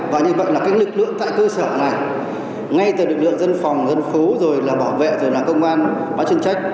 và như vậy là cái lực lượng tại cơ sở này ngay từ lực lượng dân phòng dân phố rồi là bảo vệ rồi là công an bán chuyên trách